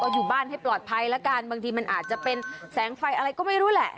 อยู่บ้านให้ปลอดภัยแล้วกันบางทีมันอาจจะเป็นแสงไฟอะไรก็ไม่รู้แหละ